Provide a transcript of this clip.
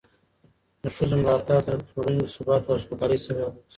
د ښځو ملاتړ د ټولنې د ثبات او سوکالۍ سبب ګرځي.